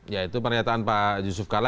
ya itu pernyataan pak yusuf kala